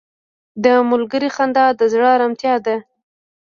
• د ملګري خندا د زړه ارامتیا ده.